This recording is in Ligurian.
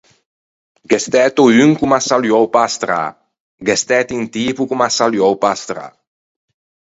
Gh’é stæto un ch’o m’à saluou pe-a strâ, gh’é stæto un tipo ch’o m’à saluou pe-a strâ.